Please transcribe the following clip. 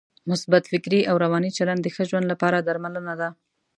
مثبت فکري او روانی چلند د ښه ژوند لپاره درملنه ده.